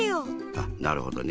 あなるほどね。